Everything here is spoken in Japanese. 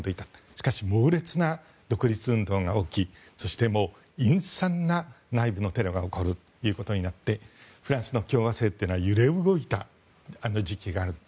しかし、猛烈な独立運動が起きて陰惨な内部のテロが起こるとなってフランスの共和制というのは揺れ動いた時期があった。